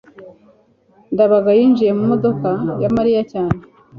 ndabaga yinjiye mu modoka ya mariya cyane